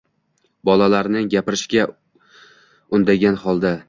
Bolalarni gapirishga undagan holda